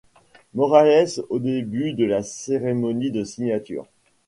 Morales au début de la cérémonie de signature.